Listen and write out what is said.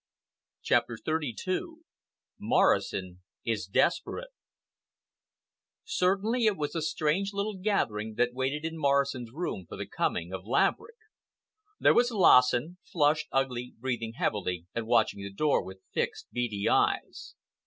CHAPTER XXXII MORRISON IS DESPERATE Certainly it was a strange little gathering that waited in Morrison's room for the coming of Laverick. There was Lassen—flushed, ugly, breathing heavily, and watching the door with fixed, beady eyes.